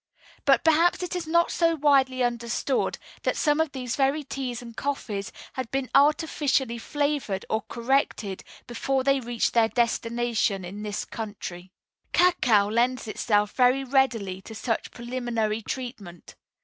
But perhaps it is not so widely understood that some of these very teas and coffees had been artificially flavored or corrected before they reached their destination in this country. Cacao lends itself very readily to such preliminary treatment.